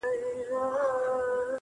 هغه زما تيارې کوټې ته څه رڼا ورکوي,